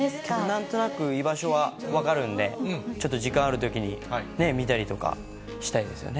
なんとなく、居場所は分かるんで、ちょっと時間あるときに、見たりとかしたいですよね。